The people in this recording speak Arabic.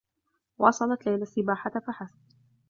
واصلت ليلى السّباحة فحسب.